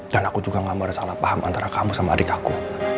dan aku juga gak merasa salah paham antara kamu sama adik aku